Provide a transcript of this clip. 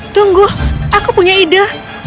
tunggu aku punya ide